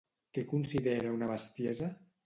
Què considera una bestiesa?